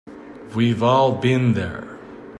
We've all been there.